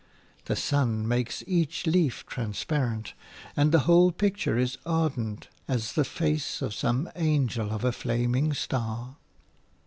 The sun makes each leaf transparent, and the whole picture is ardent as the face of some angel of a flaming star.